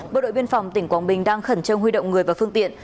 bộ đội biên phòng tỉnh quảng bình đang khẩn trương huy động người và phương tiện